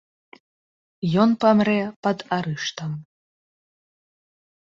Ён памрэ пад арыштам.